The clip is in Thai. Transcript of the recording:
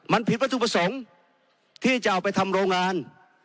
มันผิดวัตถุประสงค์ที่จะเอาไปทำโรงงาน